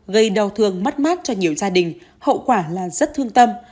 gây đau thương mất mát cho nhiều gia đình hậu quả là rất thương tâm